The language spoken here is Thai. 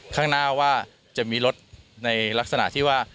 ข้างหน้าว่าจะมีรถในลักษณะที่ว่า